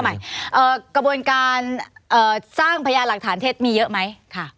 ใหม่กระบวนการสร้างพยานหลักฐานเท็จมีเยอะไหม